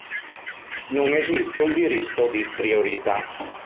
Non esiste un diritto di priorità.